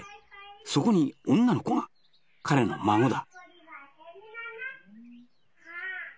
そこに女の子が彼の孫だ